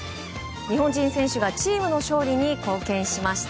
日本人選手がチームの勝利に貢献しました。